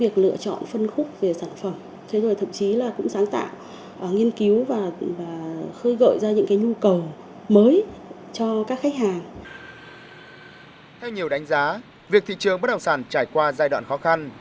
theo nhiều đánh giá việc thị trường bất động sản trải qua giai đoạn khó khăn